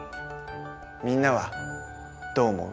みんなはどう思う？